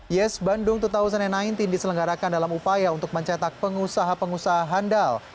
yes bandung dua ribu sembilan belas diselenggarakan dalam upaya untuk mencetak pengusaha pengusaha handal